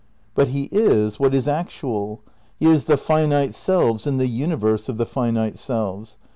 But he is what is actual. Tie is the finite selves and the universe of the finite selves.